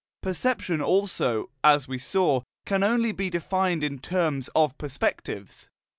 Perception also, as we saw, can only be defined in terms of perspectives.